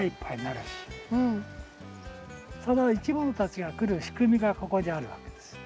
そのいきものたちが来る仕組みがここにあるわけですよ。